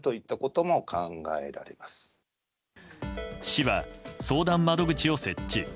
市は相談窓口を設置。